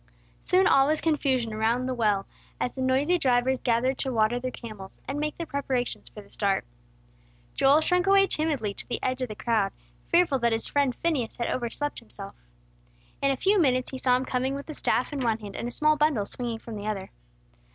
Soon all was confusion around the well, as the noisy drivers gathered to water their camels, and make their preparations for the start. Joel shrunk away timidly to the edge of the crowd, fearful that his friend Phineas had overslept himself. In a few minutes he saw him coming with a staff in one hand, and a small bundle swinging from the other.